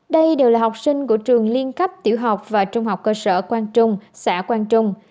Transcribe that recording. đây đều là học sinh của trường liên cấp tiểu học và trung học cơ sở quang trung xã quang trung